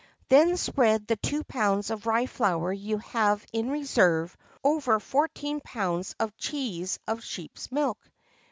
Then spread the two pounds of rye flour you have in reserve over fourteen pounds of cheese of sheep's milk.